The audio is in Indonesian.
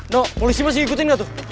no polisi masih ikutin gak tuh